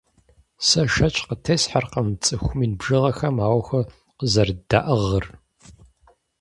Сэ шэч къытесхьэркъым цӀыху мин бжыгъэхэм а Ӏуэхур къызэрыддаӀыгъыр.